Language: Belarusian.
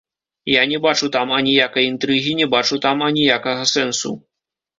Я не бачу там аніякай інтрыгі, не бачу там аніякага сэнсу.